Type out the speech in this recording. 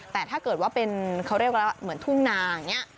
แต่ถ้าเกิดว่าเป็นเขาเรียกอะไรเหมือนทุ่งนาอย่างนี้